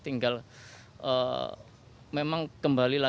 tinggal memang kembali lagi